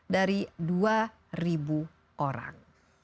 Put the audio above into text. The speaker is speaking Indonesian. dari dua orang